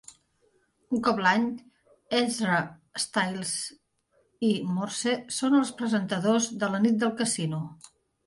Un cop l'any, Ezra Stiles i Morse són els presentadors de la Nit del Casino.